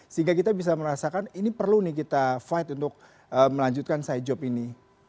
sehingga kita bisa merasakan ini perlu nih kita fight untuk melanjutkan side job ini